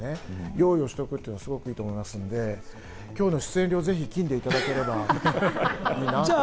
用意をしておくというのはすごくいいと思いますので、今日の出演料、ぜひ金でいただければいいなと。